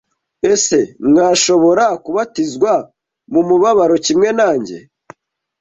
Ese mwashobora kubatizwa mu mubabaro kimwe nanjye?